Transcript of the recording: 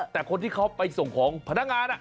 แต่คนที่เขาไปส่งของพนักงาน